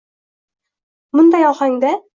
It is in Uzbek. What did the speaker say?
Munday olganda.